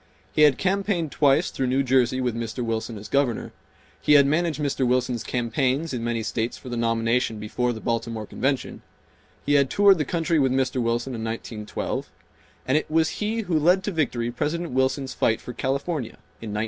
He had campaigned twice through New Jersey with Mr. Wilson as Governor; he had managed Mr. Wilson's campaigns in many states for the nomination before the Baltimore Convention; he had toured the country with Mr. Wilson in 1912 ; and it was he who led to victory President Wilson's fight for California in 1916.